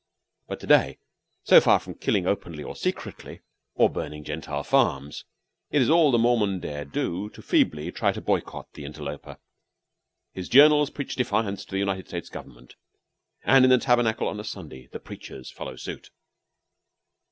But to day, so far from killing openly or secretly, or burning Gentile farms, it is all the Mormon dare do to feebly try to boycott the interloper. His journals preach defiance to the United States Government, and in the Tabernacle on a Sunday the preachers follow suit.